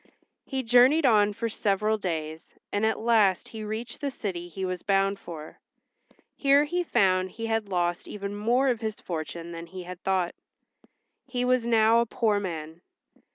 He journeyed on for several days, and at last he reached the city he was bound for. Here he found he had lost even more of his fortune than he had thought. He was now a poor man.